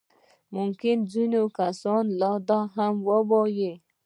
ممکن ځينې کسان دا هم ووايي.